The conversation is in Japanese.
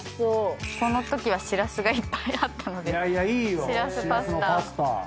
このときはシラスがいっぱいあったのでしらすパスタ。